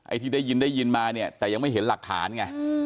ที่ได้ยินได้ยินมาเนี่ยแต่ยังไม่เห็นหลักฐานไง